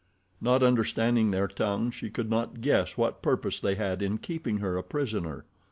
Not understanding their tongue she could not guess what purpose they had in keeping her a prisoner.